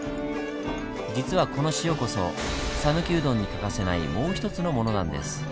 実はこの塩こそさぬきうどんに欠かせないもう一つのものなんです。